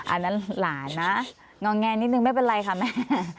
อันนั้นหลานนะงอแงนิดนึงไม่เป็นไรค่ะแม่